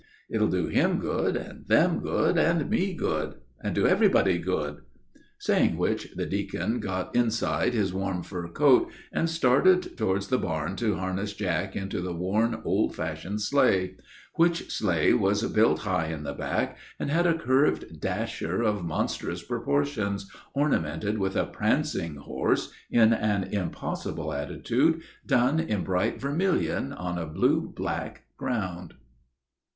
It'll do him good, and them good, and me good, and everybody good." Saying which, the deacon got inside his warm fur coat, and started toward the barn to harness Jack into the worn, old fashioned sleigh, which sleigh was built high in the back, and had a curved dasher of monstrous proportions, ornamented with a prancing horse in an impossible attitude, done in bright vermilion on a blue background!